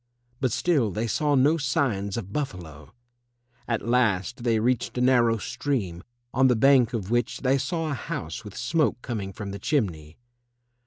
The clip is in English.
But still they saw no signs of buffalo. At last they reached a narrow stream, on the bank of which they saw a house with smoke coming from the chimney.